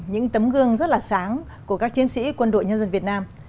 những tấm gương rất là sáng của các chiến sĩ quân đội nhân dân việt nam